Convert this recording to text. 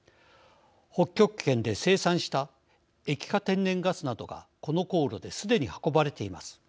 北極圏で生産した液化天然ガスなどがこの航路ですでに運ばれています。